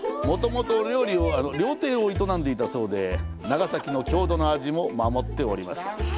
もともと料亭を営んでいたそうで、長崎の郷土の味を守っています。